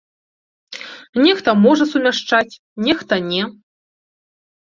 Нехта можа сумяшчаць, нехта не.